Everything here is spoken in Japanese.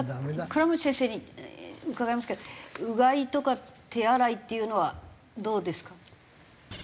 倉持先生に伺いますけどうがいとか手洗いっていうのはどうですか？